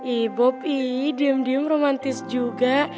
ihh bob ihh diam diam romantis juga